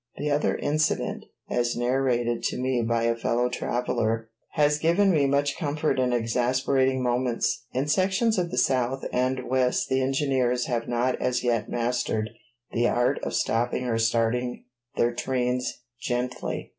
The other incident, as narrated to me by a fellow traveler, has given me much comfort in exasperating moments. In sections of the South and West the engineers have not as yet mastered the art of stopping or starting their trains gently.